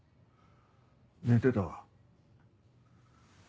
寝てたわ。